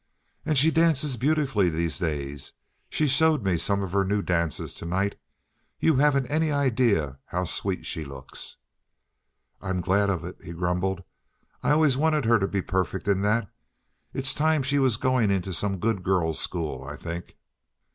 "And she dances beautifully these days. She showed me some of her new dances to night. You haven't any idea how sweet she looks." "I'm glad of it," he grumbled. "I always wanted her to be perfect in that. It's time she was going into some good girls' school, I think."